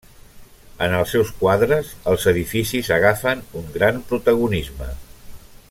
En els seus quadres els edificis agafen un gran protagonisme.